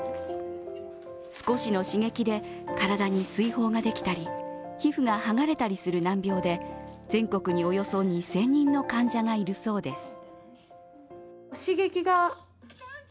少しの刺激で体に水ほうができたり皮膚が剥がれたりする難病で全国におよそ２０００人の患者がいるそうです。